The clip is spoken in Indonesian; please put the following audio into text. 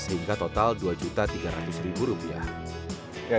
sehingga total dua tiga ratus rupiah